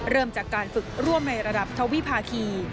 เริ่มจากการฝึกร่วมในระดับทวิภาคี